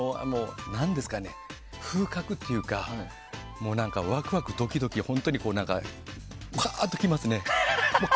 何ですかね、風格というかワクワク、ドキドキ本当にかーっと来ますね。